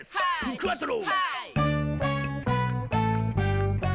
クアトロ！」